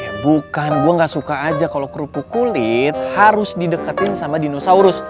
ya bukan gue gak suka aja kalau kerupuk kulit harus dideketin sama dinosaurus